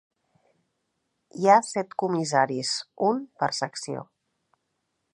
Hi ha set comissaris, un per secció.